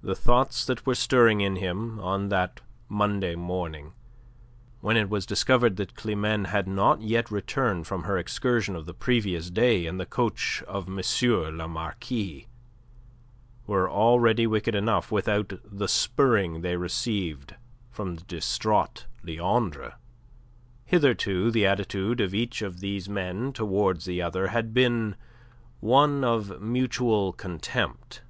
The thoughts that were stirring in him on that Monday morning, when it was discovered that Climene had not yet returned from her excursion of the previous day in the coach of M. le Marquis, were already wicked enough without the spurring they received from the distraught Leandre. Hitherto the attitude of each of these men towards the other had been one of mutual contempt.